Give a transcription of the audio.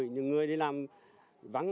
người đi làm vắng